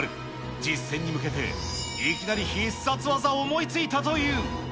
実戦に向けて、いきなり必殺技を思いついたという。